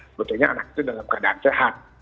sebetulnya anak itu dalam keadaan sehat